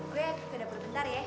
gue ke dapur bentar ya